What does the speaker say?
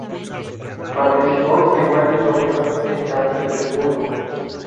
Participó en varios Torneos en San Petersburgo.